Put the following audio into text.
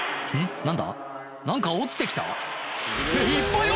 何だ⁉